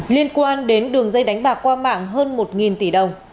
liên quan đến đường dây đánh bạc qua mạng hơn một tỷ đồng